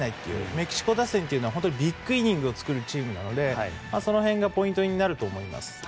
メキシコ打線はビッグイニングを作るチームなのでその辺がポイントになると思います。